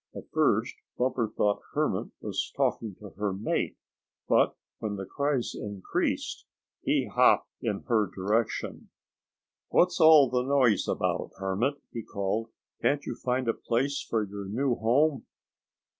At first Bumper thought Hermit was talking to her mate, but when the cries increased he hopped in her direction. "What's all the noise about, Hermit?" he called. "Can't you find a place for your new home?"